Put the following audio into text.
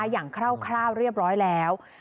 คร่าวเรียบร้อยแล้ว